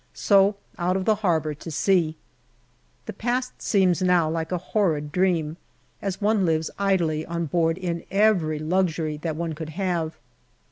So out of the harbour to sea. The past seems now like a horrid dream, as one lives idly on board in every luxury that one could have.